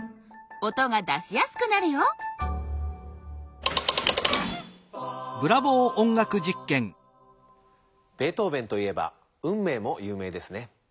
音が出しやすくなるよベートーベンといえば「運命」もゆう名ですね。